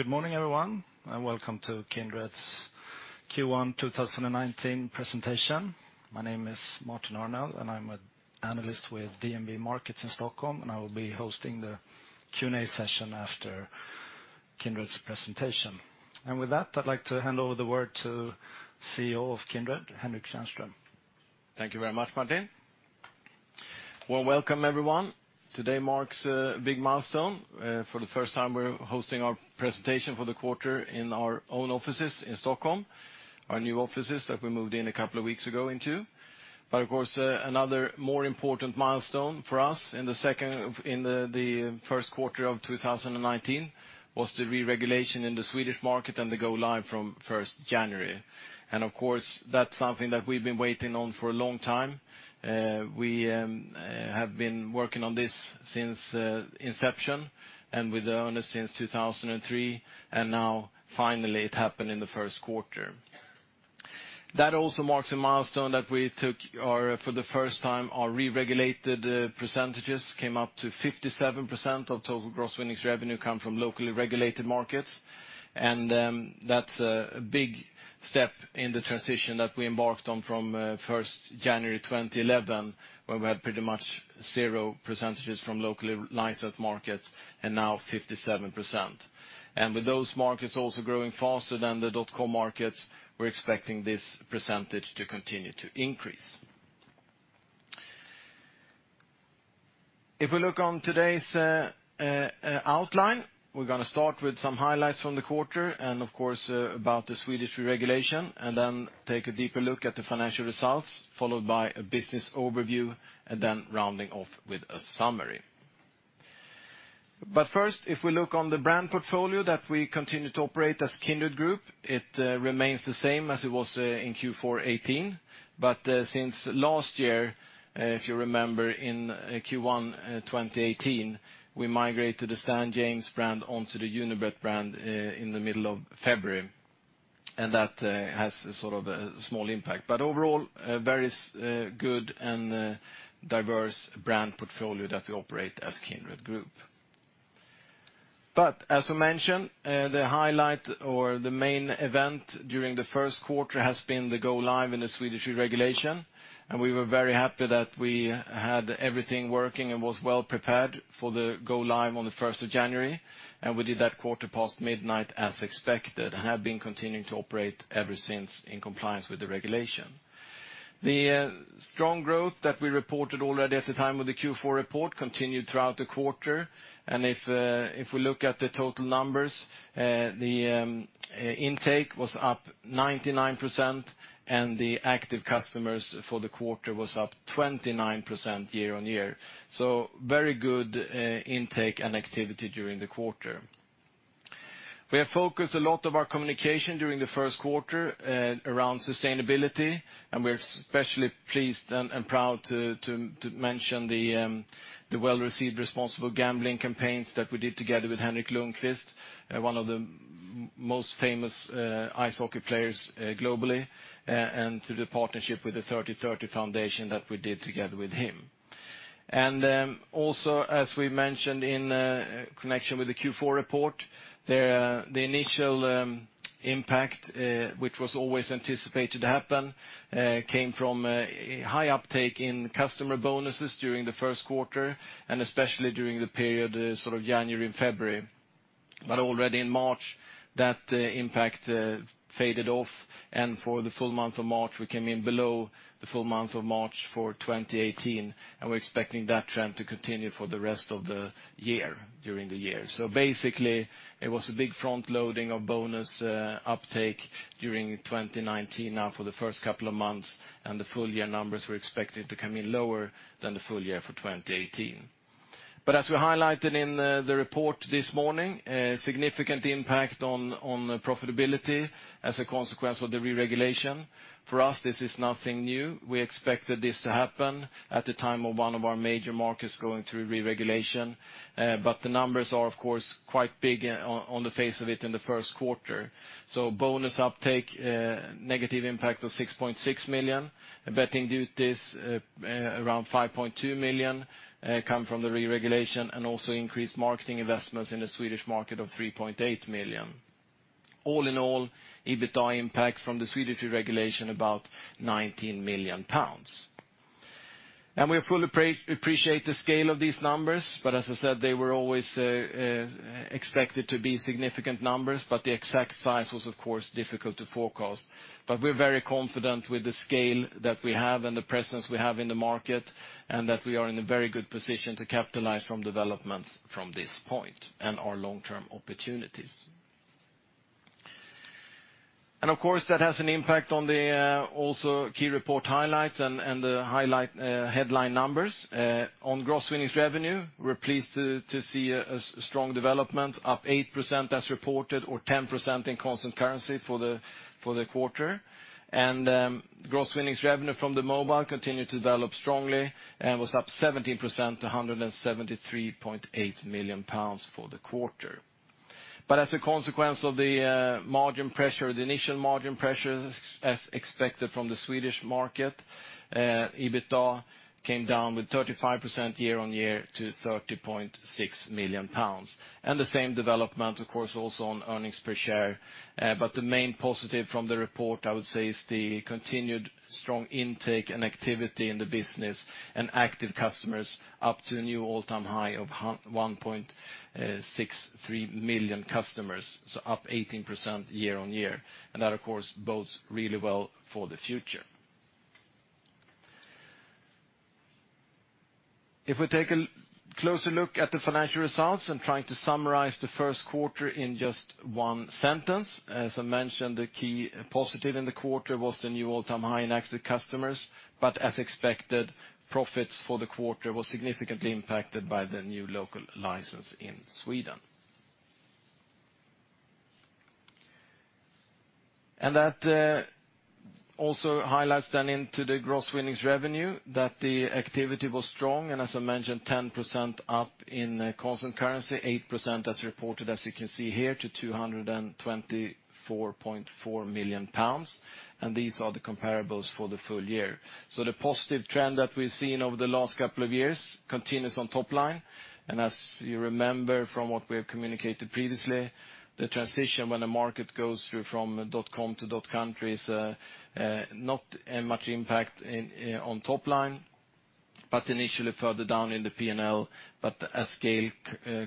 Good morning, everyone, and welcome to Kindred's Q1 2019 presentation. My name is Martin Arnell, and I'm an Analyst with DNB Markets in Stockholm, and I will be hosting the Q&A session after Kindred's presentation. With that, I'd like to hand over the word to CEO of Kindred, Henrik Tjärnström. Thank you very much, Martin. Well, welcome, everyone. Today marks a big milestone. For the first time, we're hosting our presentation for the quarter in our own offices in Stockholm, our new offices that we moved in a couple of weeks ago into. Of course, another more important milestone for us in the first quarter of 2019 was the re-regulation in the Swedish market and the go live from 1st January. Of course, that's something that we've been waiting on for a long time. We have been working on this since inception and with owners since 2003, and now finally it happened in the first quarter. That also marks a milestone that we took our, for the first time, our re-regulated percentages came up to 57% of total gross winnings revenue come from locally regulated markets. That's a big step in the transition that we embarked on from 1st January 2011, where we had pretty much zero % from locally licensed markets, and now 57%. With those markets also growing faster than the .com markets, we're expecting this % to continue to increase. If we look on today's outline, we're going to start with some highlights from the quarter and of course, about the Swedish re-regulation, and then take a deeper look at the financial results, followed by a business overview, and then rounding off with a summary. First, if we look on the brand portfolio that we continue to operate as Kindred Group, it remains the same as it was in Q4 2018. Since last year, if you remember in Q1 2018, we migrated the Stan James brand onto the Unibet brand in the middle of February, and that has a sort of a small impact. Overall, a very good and diverse brand portfolio that we operate as Kindred Group. As we mentioned, the highlight or the main event during the first quarter has been the go live in the Swedish re-regulation, and we were very happy that we had everything working and was well prepared for the go live on the 1st of January, and we did that quarter past midnight as expected and have been continuing to operate ever since in compliance with the regulation. The strong growth that we reported already at the time of the Q4 report continued throughout the quarter. If we look at the total numbers, the intake was up 99%, and the active customers for the quarter was up 29% year-on-year. Very good intake and activity during the quarter. We have focused a lot of our communication during the first quarter around sustainability, and we are especially pleased and proud to mention the well-received responsible gambling campaigns that we did together with Henrik Lundqvist, one of the most famous ice hockey players globally, and to the partnership with the Henrik Lundqvist Foundation that we did together with him. Also, as we mentioned in connection with the Q4 report, the initial impact, which was always anticipated to happen, came from a high uptake in customer bonuses during the first quarter and especially during the period sort of January and February. Already in March, that impact faded off, and for the full month of March, we came in below the full month of March for 2018, and we are expecting that trend to continue for the rest of the year, during the year. Basically, it was a big front-loading of bonus uptake during 2019 now for the first couple of months, and the full year numbers we are expecting to come in lower than the full year for 2018. As we highlighted in the report this morning, a significant impact on profitability as a consequence of the re-regulation. For us, this is nothing new. We expected this to happen at the time of one of our major markets going through re-regulation. The numbers are, of course, quite big on the face of it in the first quarter. Bonus uptake, negative impact of 6.6 million. Betting duties, around 5.2 million come from the re-regulation, also increased marketing investments in the Swedish market of 3.8 million. All in all, EBITDA impact from the Swedish re-regulation about 19 million pounds. We fully appreciate the scale of these numbers, as I said, they were always expected to be significant numbers, but the exact size was, of course, difficult to forecast. We are very confident with the scale that we have and the presence we have in the market, and that we are in a very good position to capitalize from developments from this point and our long-term opportunities. Of course, that has an impact on the also key report highlights and the highlight headline numbers. On gross winnings revenue, we are pleased to see a strong development, up 8% as reported or 10% in constant currency for the quarter. Gross winnings revenue from the mobile continued to develop strongly and was up 17% to 173.8 million pounds for the quarter. As a consequence of the initial margin pressures as expected from the Swedish market, EBITDA came down with 35% year-on-year to 30.6 million pounds. The same development, of course, also on earnings per share. The main positive from the report, I would say, is the continued strong intake and activity in the business and active customers up to a new all-time high of 1.63 million customers, so up 18% year-on-year. That, of course, bodes really well for the future. If we take a closer look at the financial results trying to summarize the first quarter in just one sentence, as I mentioned, the key positive in the quarter was the new all-time high in active customers, but as expected, profits for the quarter were significantly impacted by the new local license in Sweden. That also highlights then into the gross winnings revenue that the activity was strong and, as I mentioned, 10% up in constant currency, 8% as reported as you can see here, to 224.4 million pounds, and these are the comparables for the full year. The positive trend that we've seen over the last couple of years continues on top line. As you remember from what we have communicated previously, the transition when a market goes through from .com to .country is not much impact on top line, but initially further down in the P&L. As scale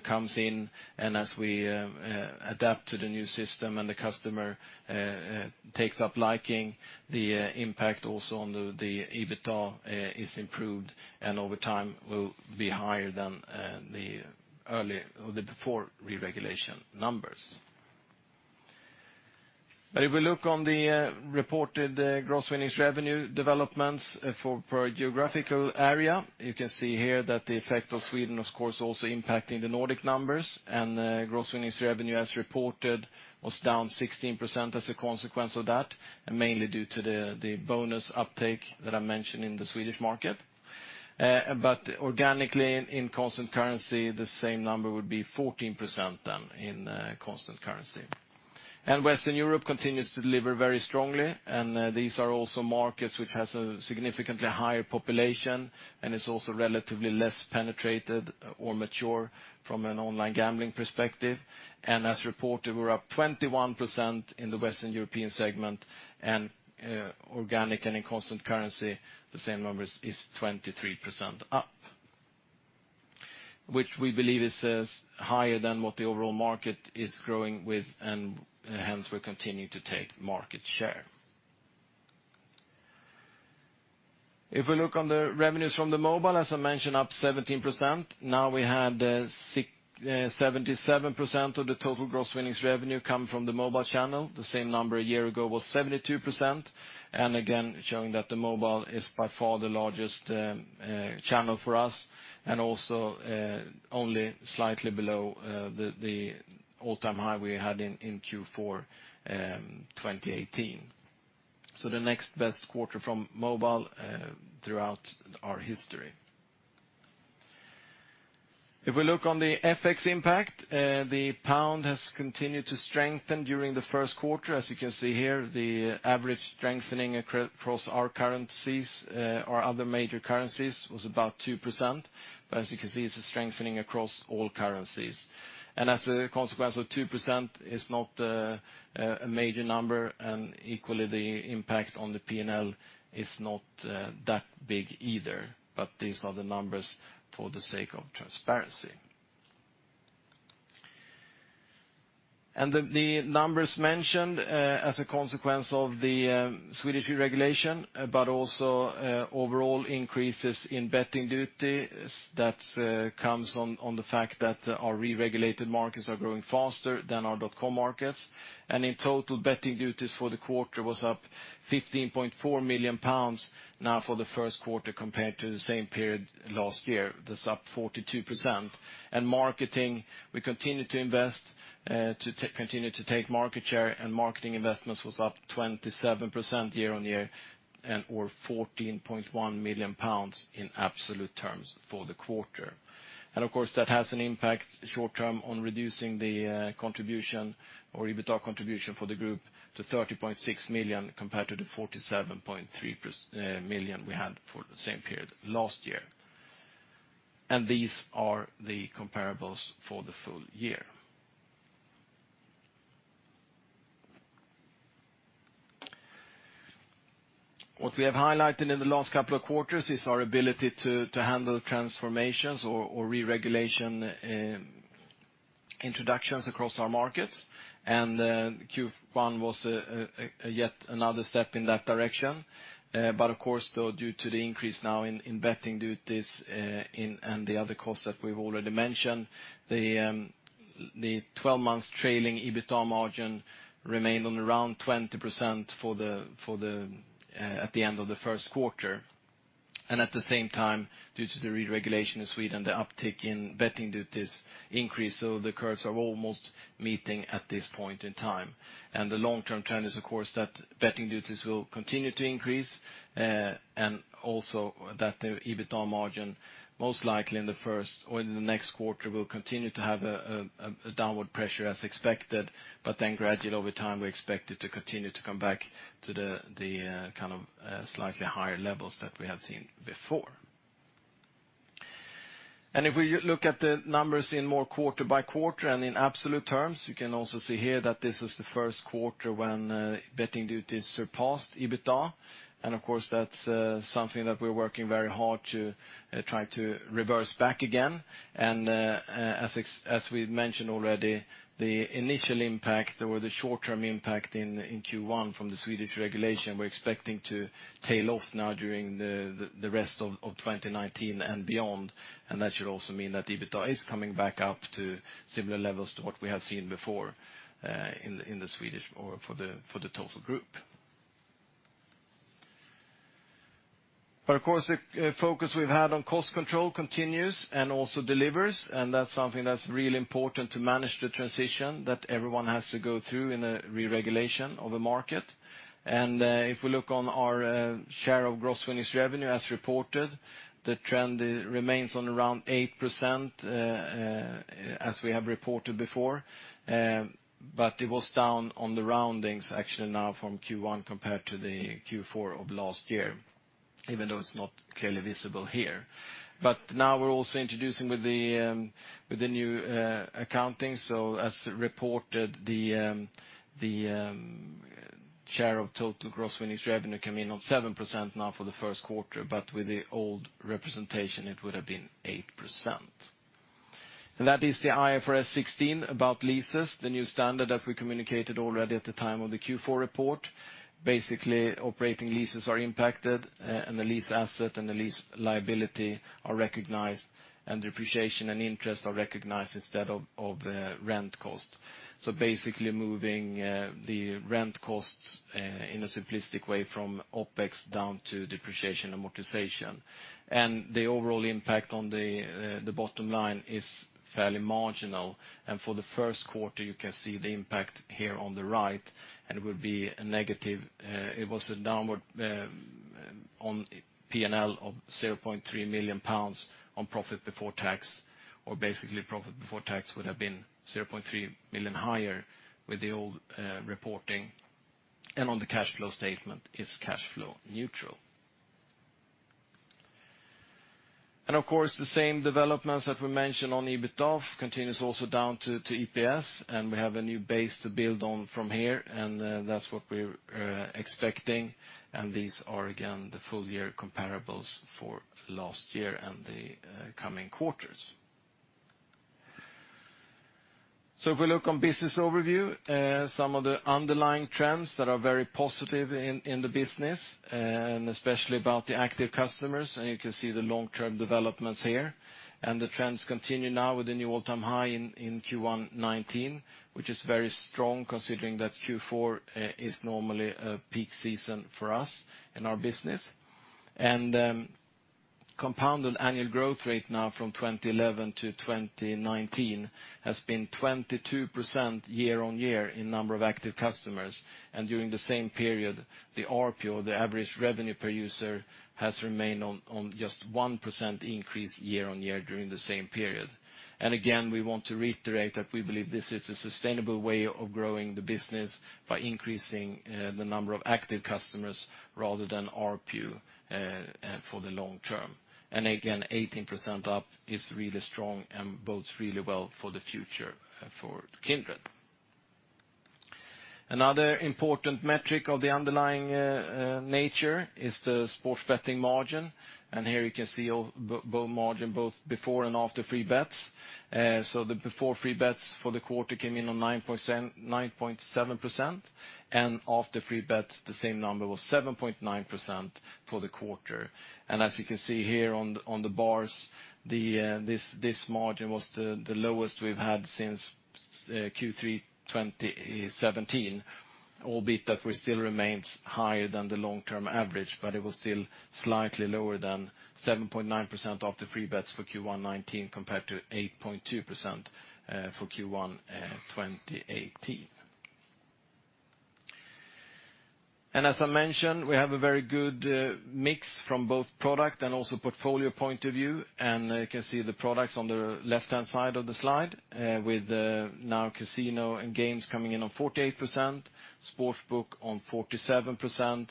comes in and as we adapt to the new system and the customer takes up liking, the impact also on the EBITDA is improved and over time will be higher than the before re-regulation numbers. If we look on the reported gross winnings revenue developments for geographical area, you can see here that the effect of Sweden, of course, also impacting the Nordic numbers, gross winnings revenue as reported was down 16% as a consequence of that, mainly due to the bonus uptake that I mentioned in the Swedish market. Organically in constant currency, the same number would be 14% then in constant currency. Western Europe continues to deliver very strongly. These are also markets which has a significantly higher population and is also relatively less penetrated or mature from an online gambling perspective. As reported, we're up 21% in the Western European segment. Organic and in constant currency, the same number is 23% up, which we believe is higher than what the overall market is growing with, hence we're continuing to take market share. If we look on the revenues from the mobile, as I mentioned, up 17%. Now we had 77% of the total gross winnings revenue come from the mobile channel. The same number a year ago was 72%. Again, showing that the mobile is by far the largest channel for us, also only slightly below the all-time high we had in Q4 2018. The next best quarter from mobile throughout our history. If we look on the FX impact, the pound has continued to strengthen during the first quarter. As you can see here, the average strengthening across our currencies or other major currencies was about 2%. As you can see, it's a strengthening across all currencies. As a consequence of 2% is not a major number, equally the impact on the P&L is not that big either. These are the numbers for the sake of transparency. The numbers mentioned as a consequence of the Swedish re-regulation, but also overall increases in betting duties, that comes on the fact that our re-regulated markets are growing faster than our .com markets. In total, betting duties for the quarter was up 15.4 million pounds now for the first quarter compared to the same period last year. That's up 42%. Marketing, we continue to invest to continue to take market share, and marketing investments was up 27% year-on-year or 14.1 million pounds in absolute terms for the quarter. Of course, that has an impact short-term on reducing the contribution or EBITDA contribution for the group to 30.6 million compared to the 47.3 million we had for the same period last year. These are the comparables for the full year. What we have highlighted in the last couple of quarters is our ability to handle transformations or re-regulation introductions across our markets. Q1 was yet another step in that direction. Of course, though, due to the increase now in betting duties and the other costs that we've already mentioned, the 12 months trailing EBITDA margin remained on around 20% at the end of the first quarter. At the same time, due to the re-regulation in Sweden, the uptick in betting duties increased, so the curves are almost meeting at this point in time. The long-term trend is, of course, that betting duties will continue to increase, and also that the EBITDA margin, most likely in the next quarter, will continue to have a downward pressure as expected. Then gradually over time, we expect it to continue to come back to the slightly higher levels that we have seen before. If we look at the numbers in more quarter by quarter and in absolute terms, you can also see here that this is the first quarter when betting duties surpassed EBITDA. Of course, that's something that we're working very hard to try to reverse back again. As we've mentioned already, the initial impact or the short-term impact in Q1 from the Swedish regulation, we're expecting to tail off now during the rest of 2019 and beyond. That should also mean that EBITDA is coming back up to similar levels to what we have seen before in the Swedish, or for the total group. Of course, the focus we've had on cost control continues and also delivers, and that's something that's really important to manage the transition that everyone has to go through in a re-regulation of a market. If we look on our share of gross winnings revenue as reported, the trend remains on around 8%, as we have reported before. It was down on the roundings actually now from Q1 compared to the Q4 of last year, even though it's not clearly visible here. Now we're also introducing with the new accounting, so as reported, the share of total gross winnings revenue come in on 7% now for the first quarter, but with the old representation, it would have been 8%. That is the IFRS 16 about leases, the new standard that we communicated already at the time of the Q4 report. Basically, operating leases are impacted, and the lease asset and the lease liability are recognized, and depreciation and interest are recognized instead of rent cost. Basically, moving the rent costs, in a simplistic way, from OpEx down to depreciation amortization. The overall impact on the bottom line is fairly marginal, and for the first quarter, you can see the impact here on the right, and it would be a negative. It was a downward on P&L of 0.3 million pounds on profit before tax, or basically profit before tax would have been 0.3 million higher with the old reporting, and on the cash flow statement is cash flow neutral. Of course, the same developments that we mentioned on EBITDA continues also down to EPS, and we have a new base to build on from here, and that's what we're expecting. These are, again, the full year comparables for last year and the coming quarters. If we look on business overview, some of the underlying trends that are very positive in the business, and especially about the active customers, and you can see the long-term developments here. The trends continue now with the new all-time high in Q1 2019, which is very strong considering that Q4 is normally a peak season for us in our business. Compounded annual growth rate now from 2011 to 2019 has been 22% year-on-year in number of active customers, and during the same period, the ARPU, or the average revenue per user, has remained on just 1% increase year-on-year during the same period. Again, we want to reiterate that we believe this is a sustainable way of growing the business by increasing the number of active customers rather than ARPU for the long term. Again, 18% up is really strong and bodes really well for the future for Kindred. Another important metric of the underlying nature is the sports betting margin, and here you can see margin both before and after free bets. The before free bets for the quarter came in on 9.7%, and after free bets, the same number was 7.9% for the quarter. As you can see here on the bars, this margin was the lowest we've had since Q3 2017. Albeit that we still remains higher than the long-term average, but it was still slightly lower than 7.9% after free bets for Q1 2019 compared to 8.2% for Q1 2018. As I mentioned, we have a very good mix from both product and also portfolio point of view, and you can see the products on the left-hand side of the slide with now casino and games coming in on 48%, Sportsbook on 47%,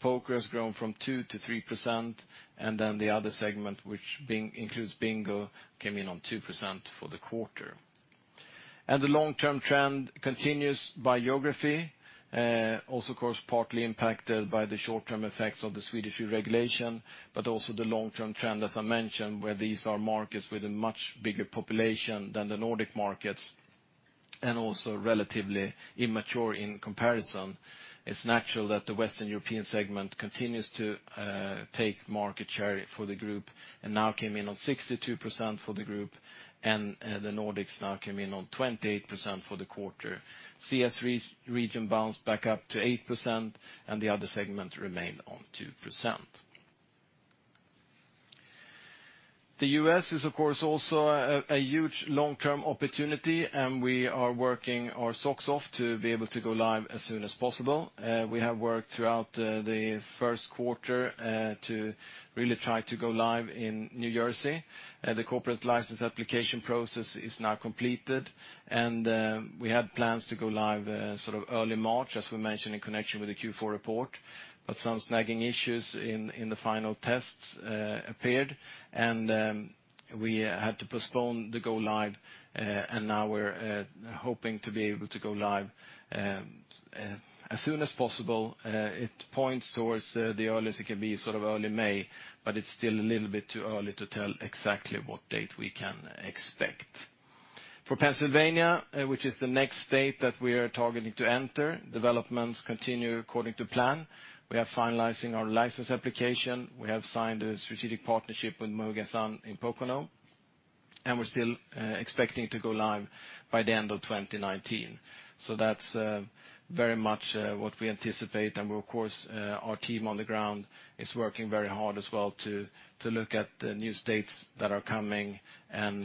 Poker has grown from 2% to 3%, and then the other segment, which includes Bingo, came in on 2% for the quarter. The long-term trend continues by geography. Also, of course, partly impacted by the short-term effects of the Swedish re-regulation, but also the long-term trend, as I mentioned, where these are markets with a much bigger population than the Nordic markets and also relatively immature in comparison. It's natural that the Western European segment continues to take market share for the group and now came in on 62% for the group, and the Nordics now came in on 28% for the quarter. CESE region bounced back up to 8%, and the other segment remained on 2%. The U.S. is of course also a huge long-term opportunity, and we are working our socks off to be able to go live as soon as possible. We have worked throughout the first quarter to really try to go live in New Jersey. The corporate license application process is now completed, and we had plans to go live early March, as we mentioned in connection with the Q4 report, but some snagging issues in the final tests appeared, and we had to postpone the go live. Now we are hoping to be able to go live as soon as possible. It points towards the earliest it can be early May, but it is still a little bit too early to tell exactly what date we can expect. For Pennsylvania, which is the next state that we are targeting to enter, developments continue according to plan. We are finalizing our license application. We have signed a strategic partnership with Mohegan Sun in Pocono, and we are still expecting to go live by the end of 2019. So that is very much what we anticipate. Of course, our team on the ground is working very hard as well to look at the new states that are coming and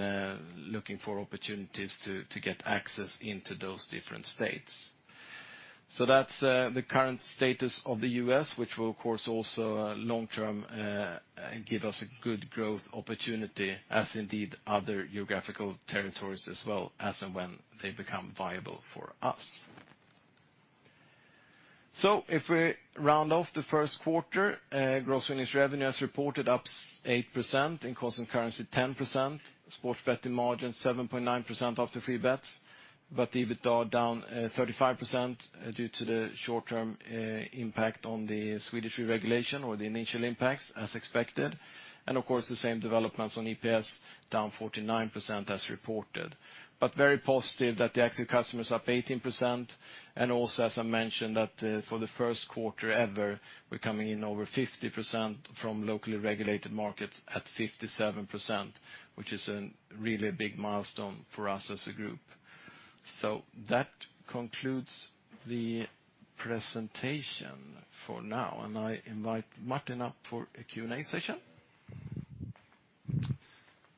looking for opportunities to get access into those different states. So that is the current status of the U.S., which will of course also long-term give us a good growth opportunity as indeed other geographical territories as well, as and when they become viable for us. So if we round off the first quarter, gross winnings revenue as reported up 8%, in constant currency, 10%. Sports betting margin 7.9% after free bets, but the EBITDA down 35% due to the short-term impact on the Swedish reregulation or the initial impacts as expected. Of course, the same developments on EPS down 49% as reported. But very positive that the active customers up 18%. Also, as I mentioned, that for the first quarter ever, we are coming in over 50% from locally regulated markets at 57%, which is a really big milestone for us as a group. So that concludes the presentation for now, and I invite Martin up for a Q&A session.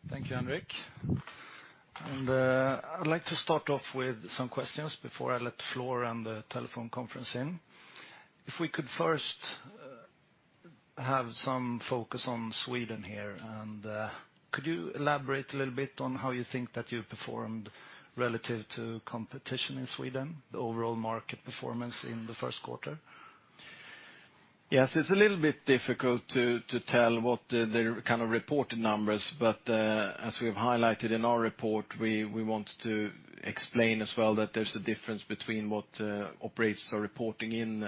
Thank you, Henrik. I'd like to start off with some questions before I let the floor and the telephone conference in. If we could first have some focus on Sweden here, could you elaborate a little bit on how you think that you performed relative to competition in Sweden, the overall market performance in the first quarter? Yes, it's a little bit difficult to tell what the kind of reported numbers, but as we have highlighted in our report, we want to explain as well that there's a difference between what operators are reporting in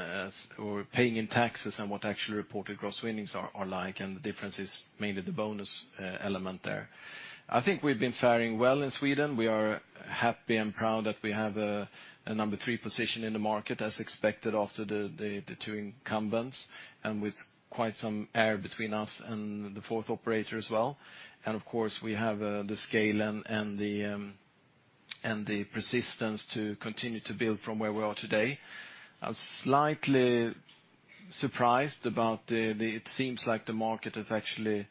or paying in taxes and what actual reported gross winnings are like, and the difference is mainly the bonus element there. I think we've been fairing well in Sweden. We are happy and proud that we have a number three position in the market as expected after the two incumbents, and with quite some air between us and the fourth operator as well. Of course, we have the scale and the persistence to continue to build from where we are today. I was slightly surprised about it seems like the market has actually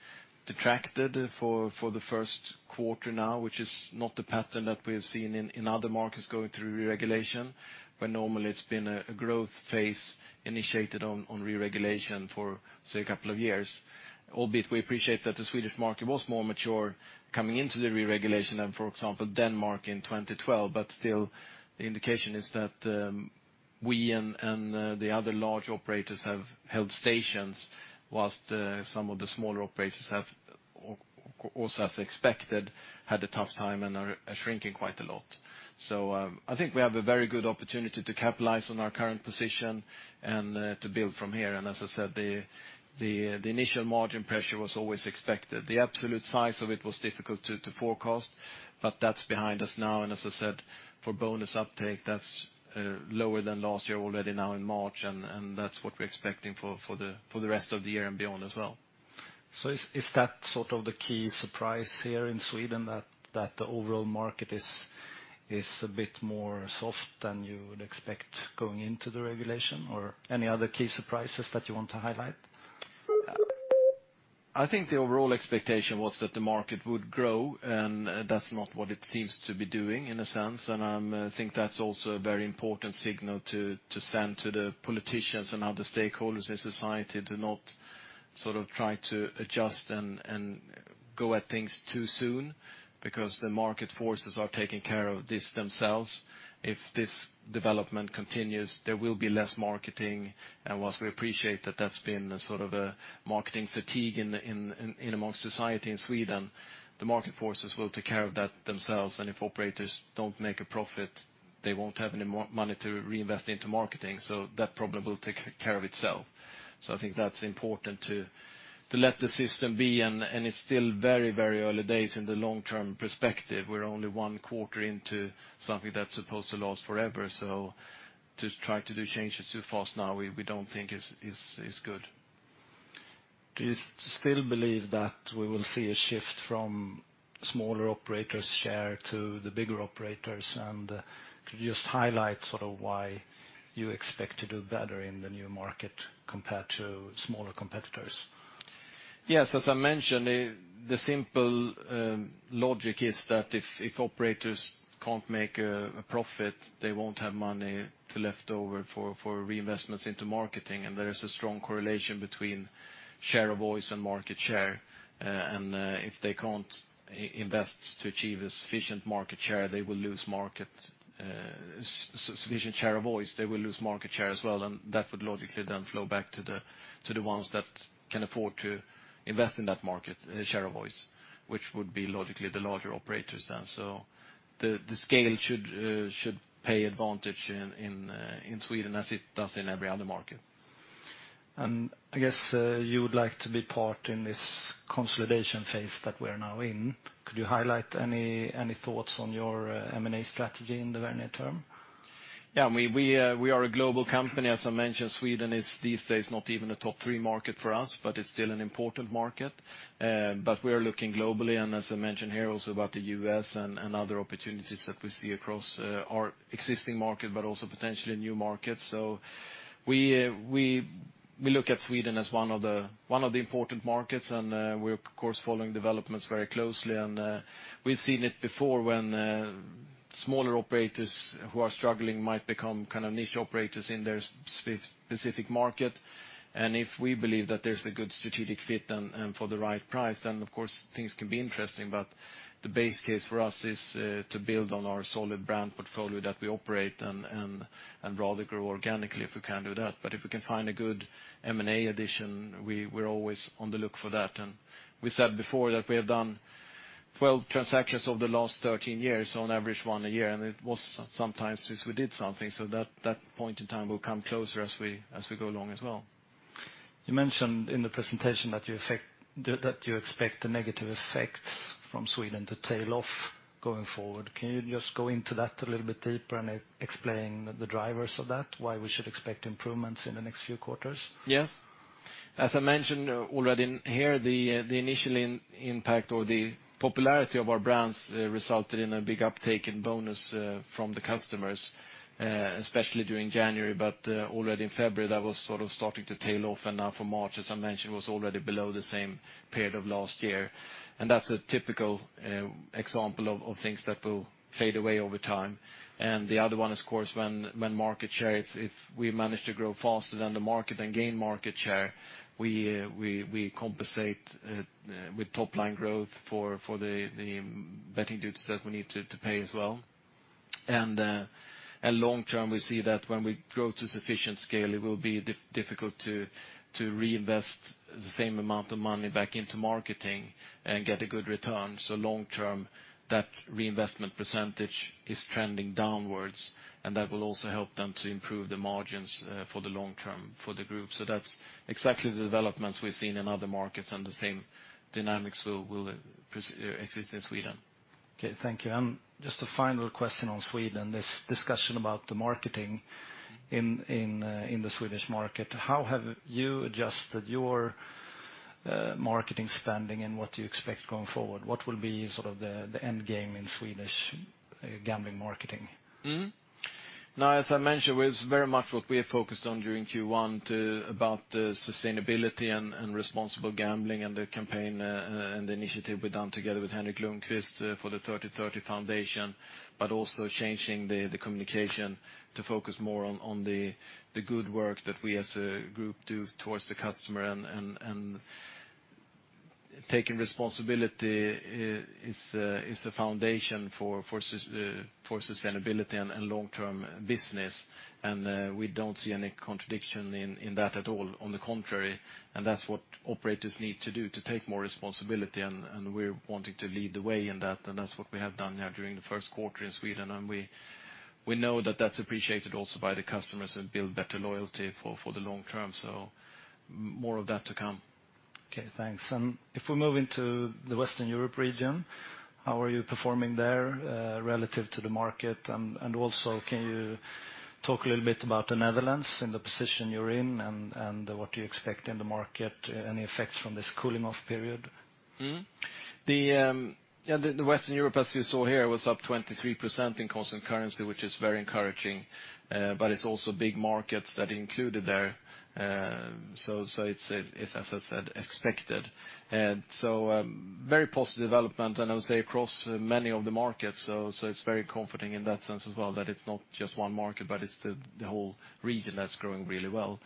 detracted for the first quarter now, which is not the pattern that we have seen in other markets going through reregulation, where normally it's been a growth phase initiated on reregulation for say, a couple of years. Albeit we appreciate that the Swedish market was more mature coming into the reregulation than, for example, Denmark in 2012. Still, the indication is that we and the other large operators have held stations whilst some of the smaller operators have also, as expected, had a tough time and are shrinking quite a lot. I think we have a very good opportunity to capitalize on our current position and to build from here. As I said, the initial margin pressure was always expected. The absolute size of it was difficult to forecast, but that's behind us now, and as I said, for bonus uptake, that's lower than last year already now in March, and that's what we're expecting for the rest of the year and beyond as well. Is that sort of the key surprise here in Sweden, that the overall market is a bit more soft than you would expect going into the regulation? Any other key surprises that you want to highlight? I think the overall expectation was that the market would grow, that's not what it seems to be doing in a sense. I think that's also a very important signal to send to the politicians and other stakeholders in society to not try to adjust and go at things too soon because the market forces are taking care of this themselves. If this development continues, there will be less marketing. Whilst we appreciate that that's been a sort of a marketing fatigue in amongst society in Sweden, the market forces will take care of that themselves. If operators don't make a profit, they won't have any money to reinvest into marketing. That problem will take care of itself. I think that's important to let the system be, and it's still very early days in the long-term perspective. We're only one quarter into something that's supposed to last forever. To try to do changes too fast now, we don't think is good. Do you still believe that we will see a shift from smaller operators' share to the bigger operators, and could you just highlight why you expect to do better in the new market compared to smaller competitors? Yes. As I mentioned, the simple logic is that if operators can't make a profit, they won't have money leftover for reinvestments into marketing, there is a strong correlation between share of voice and market share. If they can't invest to achieve a sufficient market share, they will lose sufficient share of voice, they will lose market share as well, that would logically then flow back to the ones that can afford to invest in that market share of voice, which would be logically the larger operators then. The scale should pay advantage in Sweden as it does in every other market. I guess you would like to be part in this consolidation phase that we're now in. Could you highlight any thoughts on your M&A strategy in the very near term? Yeah. We are a global company. As I mentioned, Sweden is these days not even a top-three market for us, but it's still an important market. We are looking globally and as I mentioned here also about the U.S. and other opportunities that we see across our existing market, but also potentially new markets. We look at Sweden as one of the important markets, and we're of course following developments very closely. We've seen it before when smaller operators who are struggling might become kind of niche operators in their specific market. If we believe that there's a good strategic fit and for the right price, then of course things can be interesting. The base case for us is to build on our solid brand portfolio that we operate and rather grow organically if we can do that. If we can find a good M&A addition, we're always on the look for that. We said before that we have done 12 transactions over the last 13 years, on average one a year, and it was some time since we did something. That point in time will come closer as we go along as well. You mentioned in the presentation that you expect the negative effects from Sweden to tail off going forward. Can you just go into that a little bit deeper and explain the drivers of that, why we should expect improvements in the next few quarters? Yes. As I mentioned already here, the initial impact or the popularity of our brands resulted in a big uptake in bonus from the customers, especially during January. Already in February, that was sort of starting to tail off, and now for March, as I mentioned, was already below the same period of last year. That's a typical example of things that will fade away over time. The other one is of course when market share, if we manage to grow faster than the market and gain market share, we compensate with top-line growth for the betting duties that we need to pay as well. Long term, we see that when we grow to sufficient scale, it will be difficult to reinvest the same amount of money back into marketing and get a good return. Long term, that reinvestment percentage is trending downwards, and that will also help them to improve the margins for the long term for the group. That's exactly the developments we've seen in other markets and the same dynamics will exist in Sweden. Okay, thank you. Just a final question on Sweden. This discussion about the marketing in the Swedish market. How have you adjusted your marketing spending and what do you expect going forward? What will be sort of the end game in Swedish gambling marketing? Now, as I mentioned, it's very much what we are focused on during Q1 about sustainability and responsible gambling and the campaign and the initiative we've done together with Henrik Lundqvist for the Henrik Lundqvist Foundation, but also changing the communication to focus more on the good work that we as a group do towards the customer, and taking responsibility is a foundation for sustainability and long-term business. We don't see any contradiction in that at all. On the contrary, that's what operators need to do to take more responsibility, and we're wanting to lead the way in that, and that's what we have done now during the first quarter in Sweden. We know that that's appreciated also by the customers and build better loyalty for the long term. More of that to come. Okay, thanks. If we move into the Western Europe region, how are you performing there relative to the market? Also can you talk a little bit about the Netherlands and the position you're in and what do you expect in the market? Any effects from this cooling off period? The Western Europe, as you saw here, was up 23% in constant currency, which is very encouraging. It's also big markets that are included there. It's, as I said, expected. Very positive development and I would say across many of the markets. It's very comforting in that sense as well, that it's not just one market, but it's the whole region that's growing really well.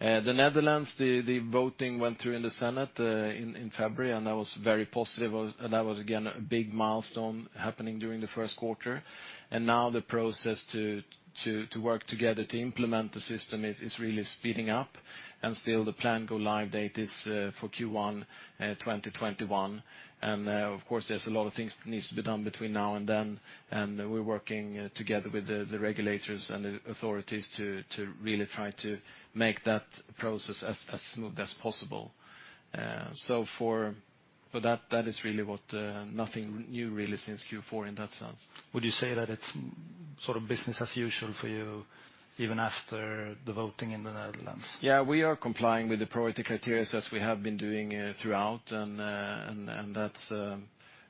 The Netherlands, the voting went through in the Senate in February, and that was very positive, and that was again, a big milestone happening during the first quarter. Now the process to work together to implement the system is really speeding up. Still the planned go live date is for Q1 2021. Of course, there's a lot of things that needs to be done between now and then. We're working together with the regulators and the authorities to really try to make that process as smooth as possible. For that is really nothing new really since Q4 in that sense. Would you say that sort of business as usual for you even after the voting in the Netherlands? Yeah, we are complying with the priority criteria as we have been doing throughout. That's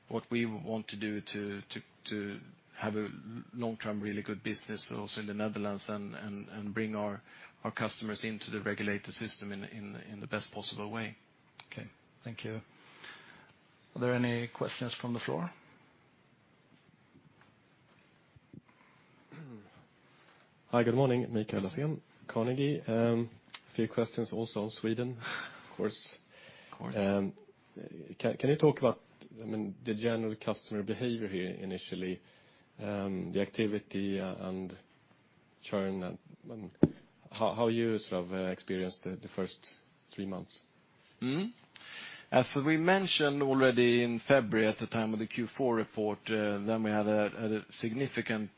what we want to do to have a long-term, really good business also in the Netherlands and bring our customers into the regulated system in the best possible way. Okay, thank you. Are there any questions from the floor? Hi, good morning, Mikael Laséen, Carnegie. A few questions also on Sweden, of course. Of course. Can you talk about the general customer behavior here initially, the activity and churn and how you sort of experienced the first three months? As we mentioned already in February at the time of the Q4 report, then we had a significant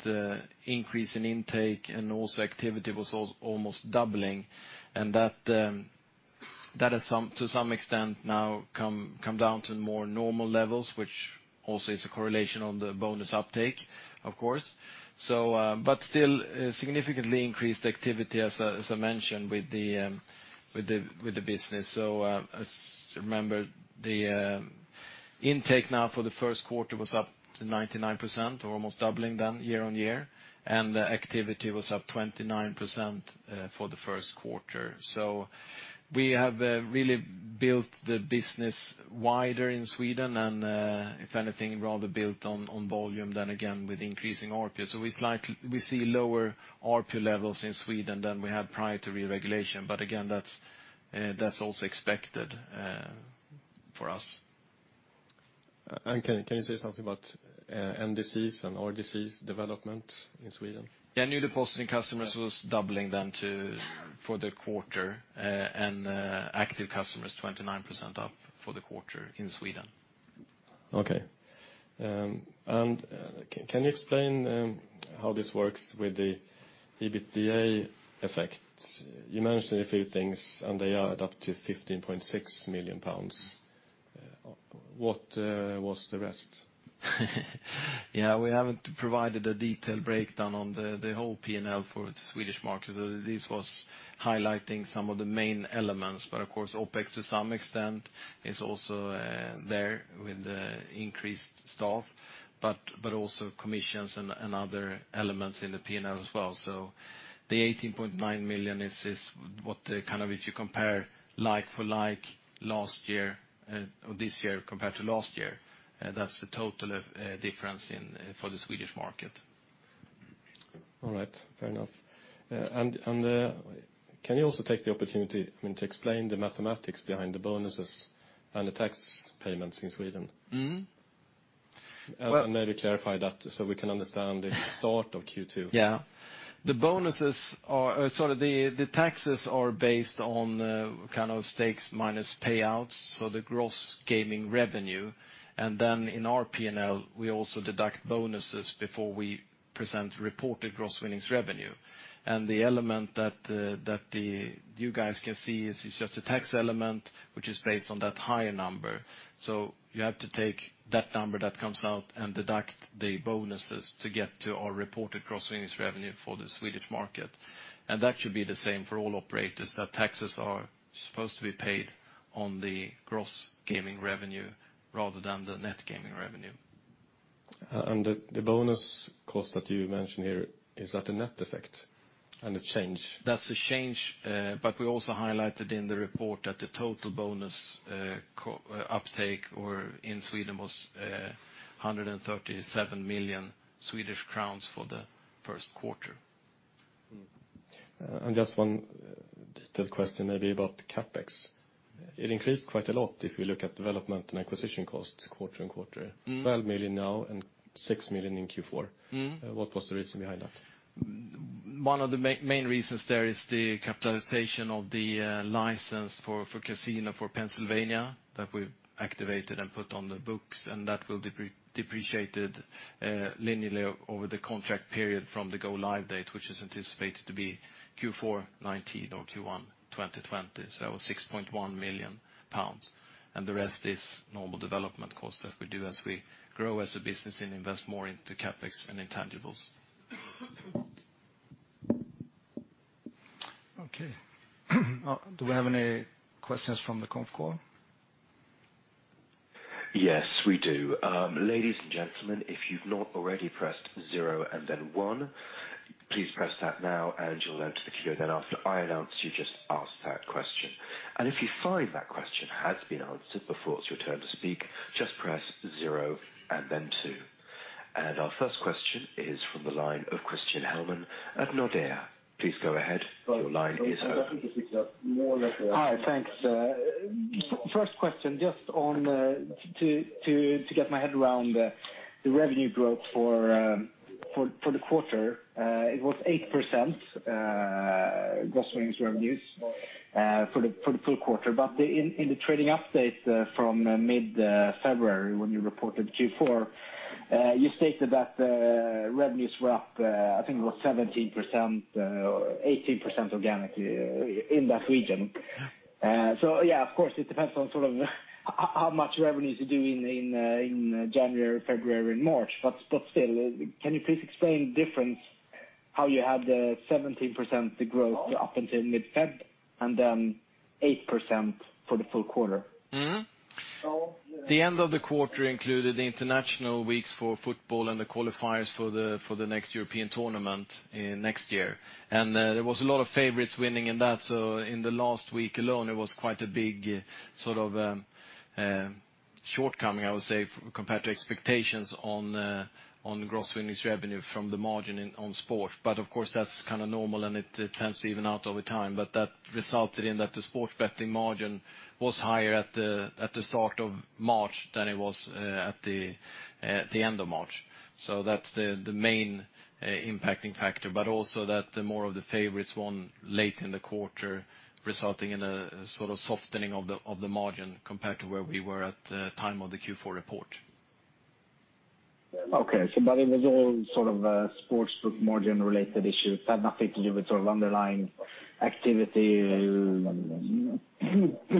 increase in intake and also activity was almost doubling, and that has to some extent now come down to more normal levels, which also is a correlation on the bonus uptake, of course. Still significantly increased activity as I mentioned with the business. As you remember, the intake now for the first quarter was up to 99%, or almost doubling then year-on-year, and the activity was up 29% for the first quarter. We have really built the business wider in Sweden and, if anything, rather built on volume than again with increasing ARPU. We see lower ARPU levels in Sweden than we have prior to reregulation. Again, that's also expected for us. Can you say something about NDCs and RDCs development in Sweden? Yeah, New Depositing Customers was doubling then too for the quarter, and active customers, 29% up for the quarter in Sweden. Okay. Can you explain how this works with the EBITDA effect? You mentioned a few things, and they add up to 15.6 million pounds. What was the rest? We haven't provided a detailed breakdown on the whole P&L for the Swedish market. This was highlighting some of the main elements. But of course, OpEx to some extent is also there with the increased staff, but also commissions and other elements in the P&L as well. The 18.9 million is what the kind of, if you compare like for like this year compared to last year, that's the total of difference for the Swedish market. All right, fair enough. Can you also take the opportunity to explain the mathematics behind the bonuses and the tax payments in Sweden? Maybe clarify that so we can understand the start of Q2. Yeah. The taxes are based on kind of stakes minus payouts, so the gross gaming revenue, then in our P&L, we also deduct bonuses before we present reported gross winnings revenue. The element that you guys can see is just a tax element, which is based on that higher number. You have to take that number that comes out and deduct the bonuses to get to our reported gross winnings revenue for the Swedish market. That should be the same for all operators, that taxes are supposed to be paid on the gross gaming revenue rather than the net gaming revenue. The bonus cost that you mentioned here, is that a net effect and a change? That's a change, we also highlighted in the report that the total bonus uptake in Sweden was 137 million Swedish crowns for the first quarter. Just one detailed question maybe about CapEx. It increased quite a lot if you look at development and acquisition costs quarter-on-quarter. 12 million GBP now and 6 million GBP in Q4. What was the reason behind that? One of the main reasons there is the capitalization of the license for casino for Pennsylvania that we've activated and put on the books, and that will be depreciated linearly over the contract period from the go-live date, which is anticipated to be Q4 2019 or Q1 2020. That was 6.1 million pounds, and the rest is normal development cost that we do as we grow as a business and invest more into CapEx and intangibles. Okay. Do we have any questions from the conf call? Yes, we do. Ladies and gentlemen, if you've not already pressed zero and then one, please press that now and you'll enter the queue. After I announce you, just ask that question. If you find that question has been answered before it's your turn to speak, just press zero and then two. Our first question is from the line of Christian Hellman at Nordea. Please go ahead. Your line is open. Hi, thanks. First question, just to get my head around the revenue growth for the quarter. It was 8% gross winnings revenues for the full quarter. In the trading update from mid-February when you reported Q4, you stated that revenues were up, I think it was 17% or 18% organic in that region. Yeah. Yeah, of course, it depends on sort of how much revenues you do in January, February, and March. Still, can you please explain the difference. How you had the 17% growth up until mid-Feb, and then 8% for the full quarter. The end of the quarter included the international weeks for football and the qualifiers for the next European tournament next year. There was a lot of favorites winning in that. In the last week alone, it was quite a big shortcoming, I would say, compared to expectations on gross winnings revenue from the margin on sport. Of course, that's kind of normal, and it tends to even out over time. That resulted in that the sports betting margin was higher at the start of March than it was at the end of March. That's the main impacting factor, but also that more of the favorites won late in the quarter, resulting in a sort of softening of the margin compared to where we were at the time of the Q4 report. Okay. It was all sort of sportsbook margin-related issues, had nothing to do with sort of underlying activity,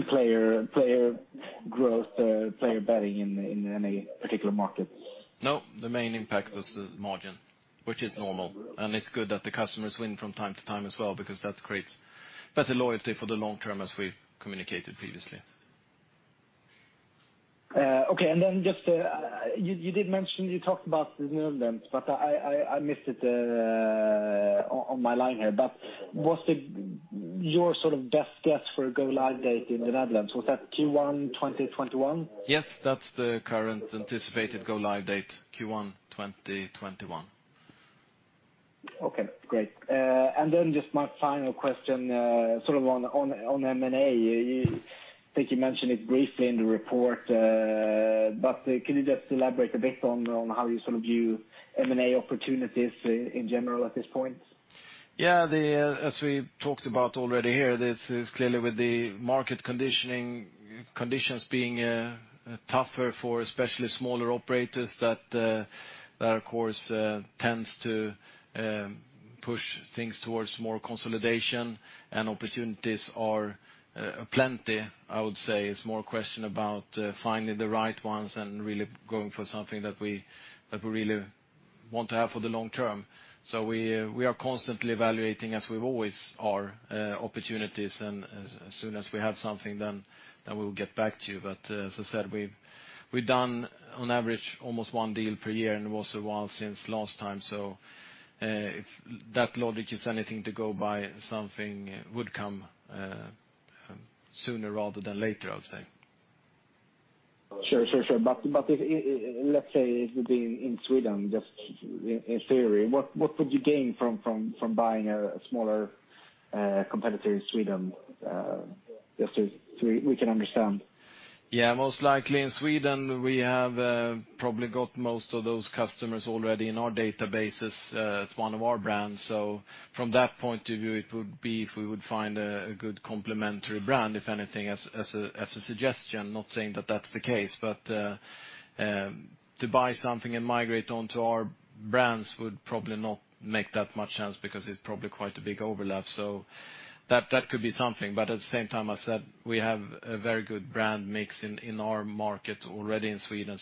player growth, player betting in any particular market. No, the main impact was the margin, which is normal, and it's good that the customers win from time to time as well because that creates better loyalty for the long term, as we've communicated previously. Okay, you did mention, you talked about the Netherlands, but I missed it on my line here. What's your sort of best guess for a go-live date in the Netherlands? Was that Q1 2021? Yes, that's the current anticipated go-live date, Q1 2021. Okay, great. Just my final question, sort of on M&A. I think you mentioned it briefly in the report, can you just elaborate a bit on how you view M&A opportunities in general at this point? Yeah. As we talked about already here, this is clearly with the market conditions being tougher for especially smaller operators, that of course tends to push things towards more consolidation and opportunities are plenty, I would say. It's more a question about finding the right ones and really going for something that we really want to have for the long term. We are constantly evaluating as we always are, opportunities, as soon as we have something, then we'll get back to you. As I said, we've done on average almost one deal per year, and it was a while since last time. If that logic is anything to go by, something would come sooner rather than later, I would say. Sure. Let's say if it being in Sweden, just in theory, what could you gain from buying a smaller competitor in Sweden? Just we can understand. Yeah, most likely in Sweden, we have probably got most of those customers already in our databases at one of our brands. From that point of view, it would be if we would find a good complementary brand, if anything, as a suggestion, not saying that that's the case. To buy something and migrate onto our brands would probably not make that much sense because it's probably quite a big overlap. That could be something. At the same time, as I said, we have a very good brand mix in our market already in Sweden.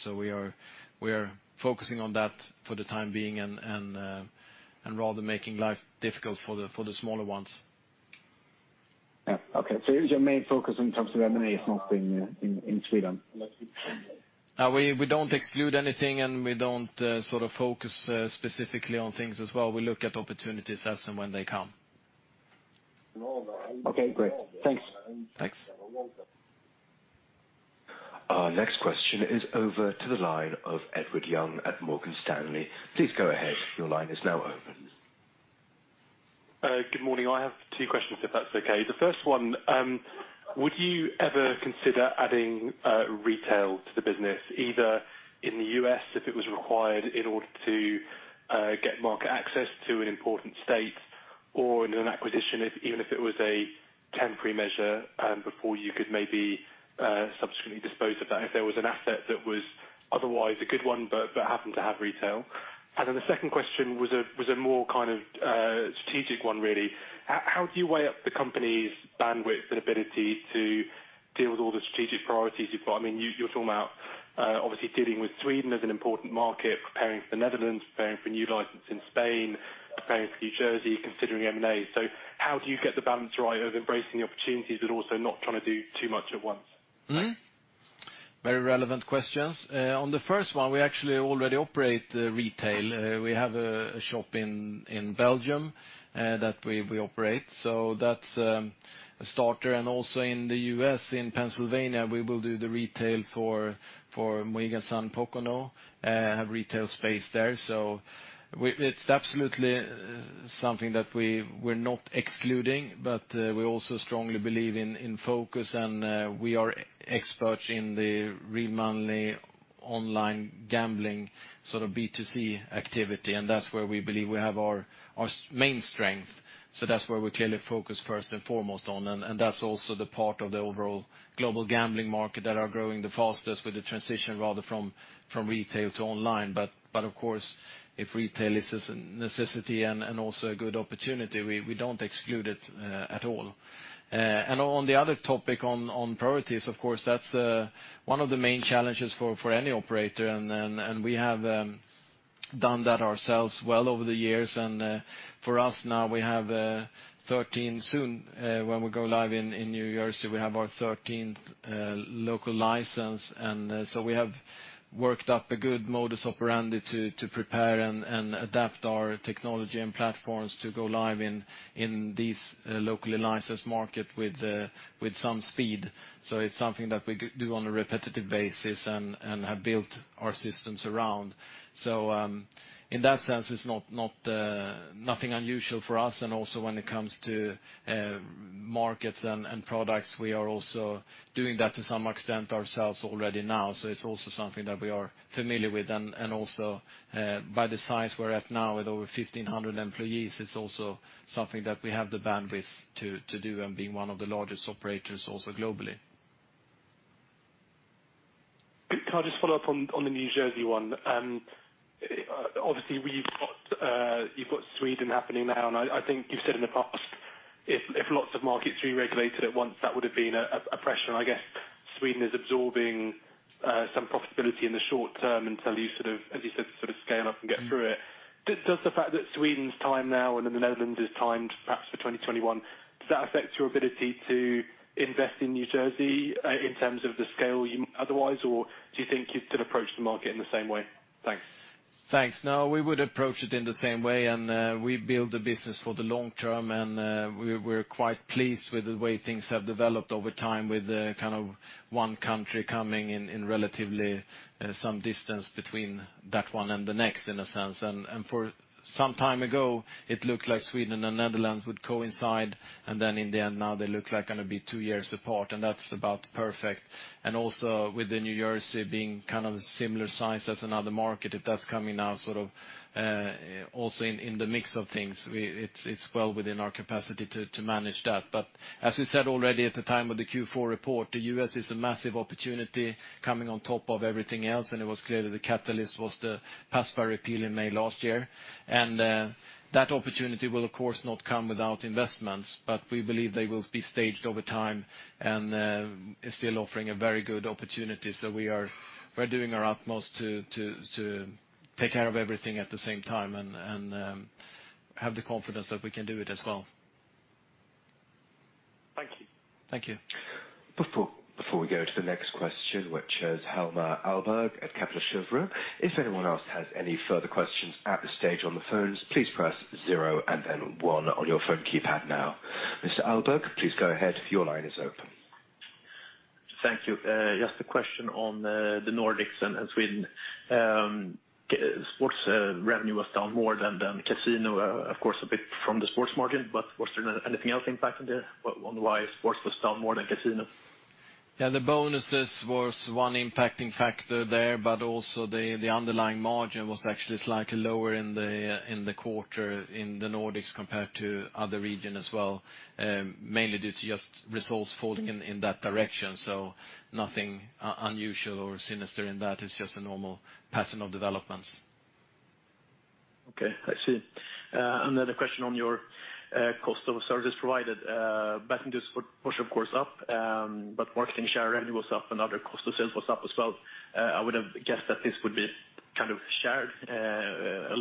We are focusing on that for the time being and rather making life difficult for the smaller ones. Yeah. Okay. Your main focus in terms of M&A is not in Sweden. We don't exclude anything, and we don't focus specifically on things as well. We look at opportunities as and when they come. Okay, great. Thanks. Thanks. Our next question is over to the line of Ed Young at Morgan Stanley. Please go ahead. Your line is now open. Good morning. I have two questions, if that's okay. The first one, would you ever consider adding retail to the business, either in the U.S. if it was required in order to get market access to an important state or in an acquisition, even if it was a temporary measure before you could maybe subsequently dispose of that, if there was an asset that was otherwise a good one, but happened to have retail? The second question was a more kind of strategic one, really. How do you weigh up the company's bandwidth and ability to deal with all the strategic priorities you've got? You're talking about obviously dealing with Sweden as an important market, preparing for Netherlands, preparing for new license in Spain, preparing for New Jersey, considering M&A. How do you get the balance right of embracing opportunities, but also not trying to do too much at once? Very relevant questions. On the first one, we actually already operate retail. We have a shop in Belgium that we operate. That's a starter. In the U.S., in Pennsylvania, we will do the retail for Mohegan Sun Pocono, have retail space there. It's absolutely something that we're not excluding, but we also strongly believe in focus, and we are experts in the remotely online gambling sort of B2C activity, and that's where we believe we have our main strength. That's where we clearly focus first and foremost on. That's also the part of the overall global gambling market that are growing the fastest with the transition rather from retail to online. If retail is a necessity and also a good opportunity, we don't exclude it at all. On the other topic on priorities, of course, that's one of the main challenges for any operator. We have done that ourselves well over the years. For us now, we have 13 soon, when we go live in New Jersey, we have our 13th local license. We have worked up a good modus operandi to prepare and adapt our technology and platforms to go live in this locally licensed market with some speed. It's something that we do on a repetitive basis and have built our systems around. In that sense, it's nothing unusual for us. When it comes to markets and products, we are also doing that to some extent ourselves already now. It's also something that we are familiar with. Also, by the size we're at now with over 1,500 employees, it's also something that we have the bandwidth to do and being one of the largest operators also globally. Can I just follow up on the New Jersey one? Obviously, you've got Sweden happening now. I think you've said in the past, if lots of markets reregulated at once, that would have been a pressure. I guess Sweden is absorbing some profitability in the short term until you, as you said, sort of scale up and get through it. Does the fact that Sweden's timed now and then the Netherlands is timed perhaps for 2021, does that affect your ability to invest in New Jersey in terms of the scale otherwise, or do you think you'd still approach the market in the same way? Thanks. Thanks. No, we would approach it in the same way, and we build the business for the long term, and we're quite pleased with the way things have developed over time with kind of one country coming in relatively some distance between that one and the next, in a sense. For some time ago, it looked like Sweden and Netherlands would coincide, and then in the end, now they look like going to be two years apart, and that's about perfect. Also, with the New Jersey being kind of similar size as another market, if that's coming now sort of also in the mix of things, it's well within our capacity to manage that. As we said already at the time of the Q4 report, the U.S. is a massive opportunity coming on top of everything else, and it was clear that the catalyst was the PASPA repeal in May last year. That opportunity will, of course, not come without investments, but we believe they will be staged over time and is still offering a very good opportunity. We're doing our utmost to take care of everything at the same time and have the confidence that we can do it as well. Thank you. Thank you. Before we go to the next question, which is Hjalmar Ahlberg at Kepler Cheuvreux. If anyone else has any further questions at this stage on the phones, please press zero and then one on your phone keypad now. Mr. Ahlberg, please go ahead. Your line is open. Thank you. Just a question on the Nordics and Sweden. Sports revenue was down more than casino, of course, a bit from the sports margin, but was there anything else impacting there on why sports was down more than casino? Yeah, the bonuses was one impacting factor there, but also the underlying margin was actually slightly lower in the quarter in the Nordics compared to other region as well, mainly due to just results falling in that direction. Nothing unusual or sinister in that. It's just a normal pattern of developments. Okay. I see. Another question on your cost of services provided. Betting duties were, of course, up, but marketing share revenue was up and other cost of sales was up as well. I would have guessed that this would be kind of shared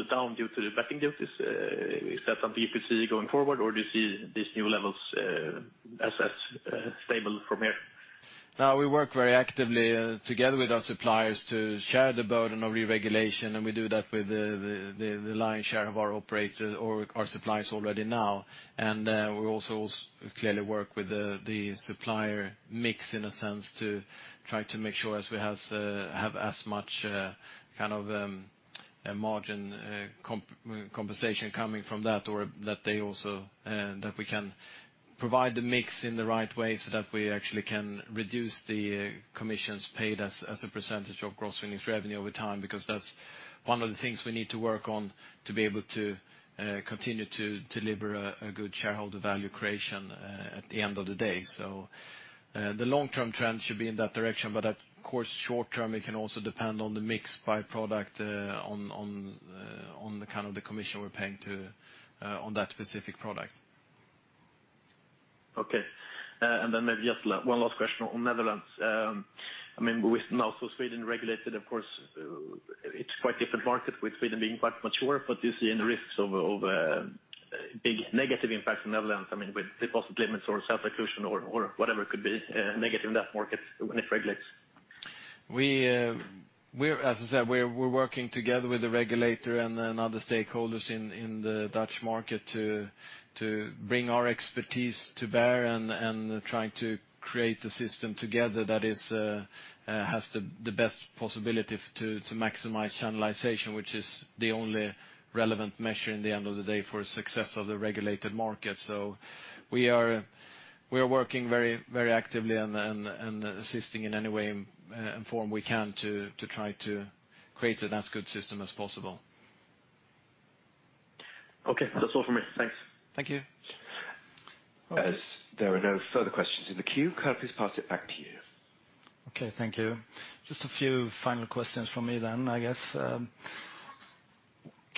down due to the betting duties. Is that something you could see going forward, or do you see these new levels as stable from here? No, we work very actively together with our suppliers to share the burden of reregulation, and we do that with the lion's share of our suppliers already now. We also clearly work with the supplier mix in a sense to try to make sure as we have as much kind of margin compensation coming from that, or that we can provide the mix in the right way so that we actually can reduce the commissions paid as a percentage of gross winnings revenue over time, because that's one of the things we need to work on to be able to continue to deliver a good shareholder value creation at the end of the day. The long-term trend should be in that direction, but of course, short-term, it can also depend on the mix by product on the kind of the commission we're paying on that specific product. Okay. Maybe just one last question on Netherlands. With now Sweden regulated, of course, it's quite different market with Sweden being quite mature, do you see any risks of a big negative impact on Netherlands, with deposit limits or self-exclusion or whatever it could be negative in that market when it regulates? As I said, we're working together with the regulator and other stakeholders in the Dutch market to bring our expertise to bear and trying to create a system together that has the best possibility to maximize channelization, which is the only relevant measure in the end of the day for success of the regulated market. We are working very actively and assisting in any way and form we can to try to create as good system as possible. Okay. That's all from me. Thanks. Thank you. As there are no further questions in the queue, can I please pass it back to you? Okay. Thank you. Just a few final questions from me then, I guess. Can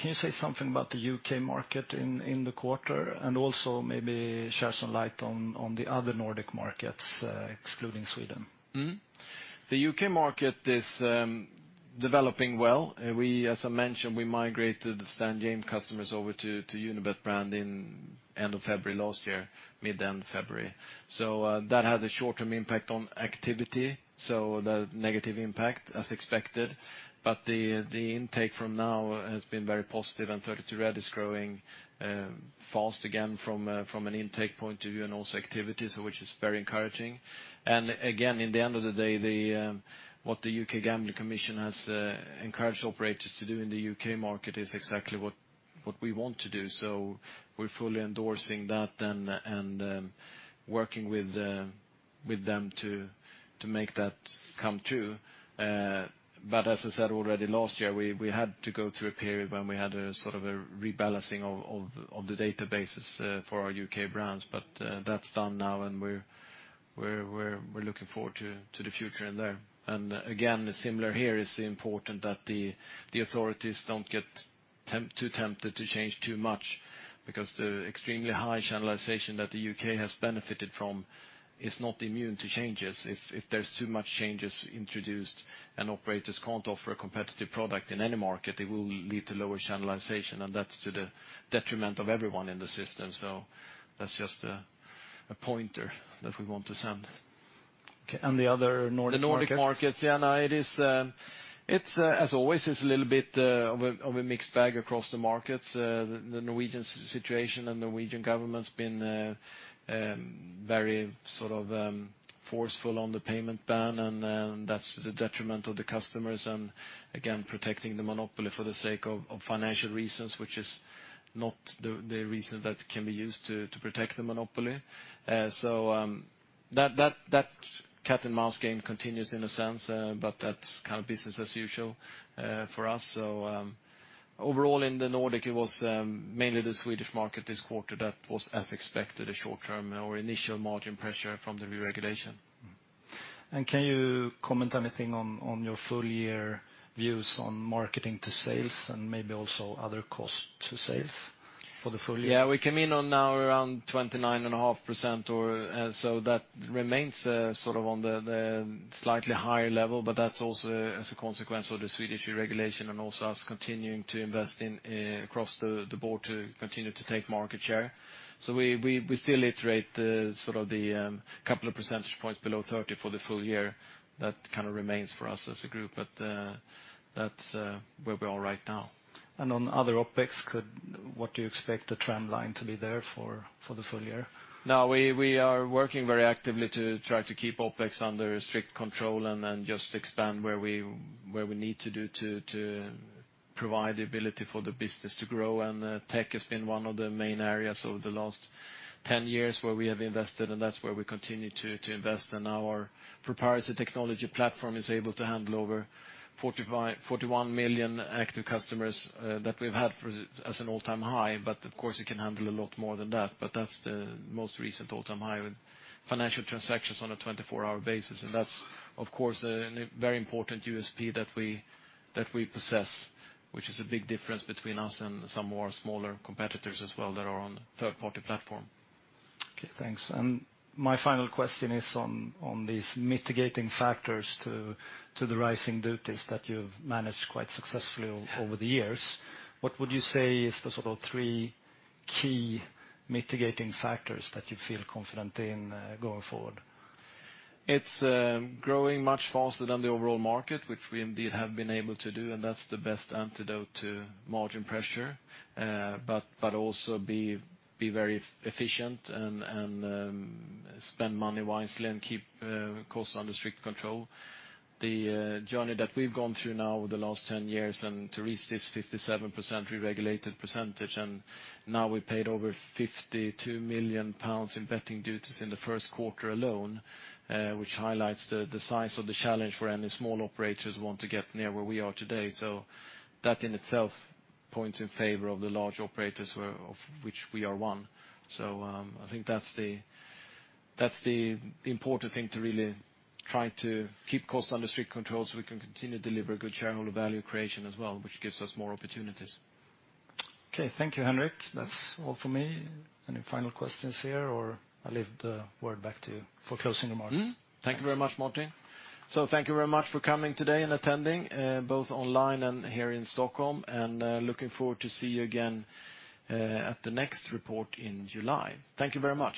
you say something about the U.K. market in the quarter and also maybe shed some light on the other Nordic markets, excluding Sweden? The U.K. market is developing well. As I mentioned, we migrated the Stan James customers over to Unibet brand in end of February last year, mid/end of February. That had a short-term impact on activity, so the negative impact as expected. The intake from now has been very positive, and 32Red is growing fast again from an intake point of view and also activities, which is very encouraging. Again, in the end of the day, what the U.K. Gambling Commission has encouraged operators to do in the U.K. market is exactly what we want to do. We're fully endorsing that and working with them to make that come true. As I said already, last year, we had to go through a period when we had a sort of a rebalancing of the databases for our U.K. brands. That's done now, and we're looking forward to the future in there. Again, similar here, it's important that the authorities don't get too tempted to change too much, because the extremely high channelization that the U.K. has benefited from is not immune to changes. If there's too much changes introduced and operators can't offer a competitive product in any market, it will lead to lower channelization, and that's to the detriment of everyone in the system. That's just a pointer that we want to send. Okay, the other Nordic markets? The Nordic markets, yeah, it, as always, is a little bit of a mixed bag across the markets. The Norwegian situation and Norwegian government's been very forceful on the payment ban, and that's to the detriment of the customers and again, protecting the monopoly for the sake of financial reasons, which is not the reason that can be used to protect the monopoly. That cat and mouse game continues in a sense, but that's kind of business as usual for us. Overall in the Nordic, it was mainly the Swedish market this quarter that was, as expected, a short-term or initial margin pressure from the reregulation. Can you comment anything on your full year views on marketing to sales and maybe also other costs to sales for the full year? We came in on now around 29.5%, that remains sort of on the slightly higher level, that's also as a consequence of the Swedish reregulation and also us continuing to invest across the board to continue to take market share. We still iterate the couple of percentage points below 30 for the full year. That kind of remains for us as a group, that's where we are right now. On other OpEx, what do you expect the trend line to be there for the full year? We are working very actively to try to keep OpEx under strict control just expand where we need to do to provide the ability for the business to grow. Tech has been one of the main areas over the last 10 years where we have invested, that's where we continue to invest. Our proprietary technology platform is able to handle over 41 million active customers that we've had as an all-time high. Of course, it can handle a lot more than that's the most recent all-time high with financial transactions on a 24-hour basis. That's, of course, a very important USP that we possess, which is a big difference between us and some more smaller competitors as well that are on third-party platform. Okay, thanks. My final question is on these mitigating factors to the rising duties that you've managed quite successfully over the years. What would you say is the sort of three key mitigating factors that you feel confident in going forward? It's growing much faster than the overall market, which we indeed have been able to do, and that's the best antidote to margin pressure. Also be very efficient and spend money wisely and keep costs under strict control. The journey that we've gone through now over the last 10 years, and to reach this 57% reregulated percentage. Now we paid over 52 million pounds in betting duties in the first quarter alone, which highlights the size of the challenge for any small operators who want to get near where we are today. That in itself points in favor of the large operators, of which we are one. I think that's the important thing to really try to keep costs under strict control so we can continue to deliver good shareholder value creation as well, which gives us more opportunities. Okay. Thank you, Henrik. That's all for me. Any final questions here, or I leave the word back to you for closing remarks? Thank you very much, Martin. Thank you very much for coming today and attending, both online and here in Stockholm. Looking forward to see you again at the next report in July. Thank you very much.